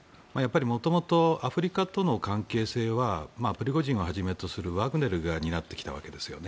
元々、アフリカとの関係性はプリゴジンをはじめとするワグネルが担ってきたわけです。